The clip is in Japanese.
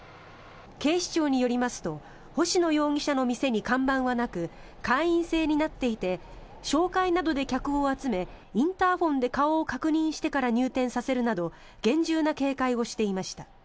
警視庁によりますと星野容疑者の店に看板はなく会員制になっていて紹介などで客を集めインターホンで顔を確認してから入店させるなど厳重な警戒をしていました。